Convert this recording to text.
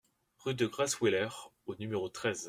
Rue de Gresswiller au numéro treize